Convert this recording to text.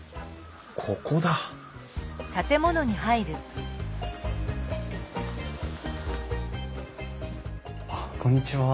ここだこんにちは。